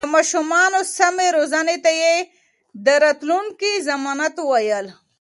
د ماشومانو سمې روزنې ته يې د راتلونکي ضمانت ويل.